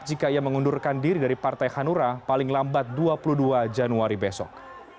jika ia mengundurkan diri dari partai hanura paling lambat dua puluh dua januari besok